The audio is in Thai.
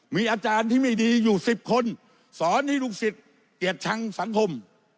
มีอาจารย์ที่ไม่ดีอยู่๑๐คนสอนให้ลูกศิษย์เกลียดชังสังคม